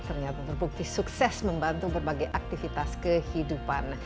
ternyata terbukti sukses membantu berbagai aktivitas kehidupan